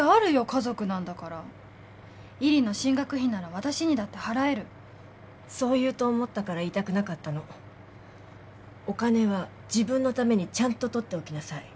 家族なんだから依里の進学費なら私にだって払えるそう言うと思ったから言いたくなかったのお金は自分のためにちゃんと取っておきなさい